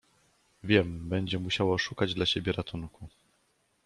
"Wiem będzie musiało szukać dla siebie ratunku."